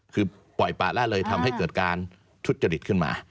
คือปล่อยปะละเลยทำให้เกิดการทุจจริตขึ้นมา